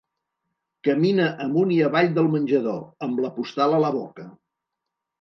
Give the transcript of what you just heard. Camina amunt i avall del menjador, amb la postal a la boca.